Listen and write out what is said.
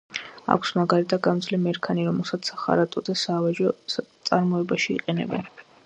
აქვს მაგარი და გამძლე მერქანი, რომელსაც სახარატო და საავეჯო წარმოებაში იყენებენ.